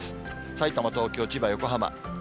さいたま、東京、千葉、横浜。